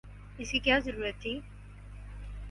اس کی کیا ضرورت تھی؟